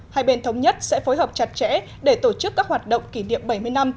hai bên thống nhất sẽ phối hợp chặt chẽ để tổ chức các hoạt động kỷ niệm bảy mươi năm